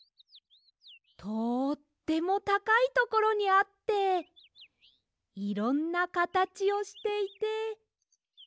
とってもたかいところにあっていろんなかたちをしていて。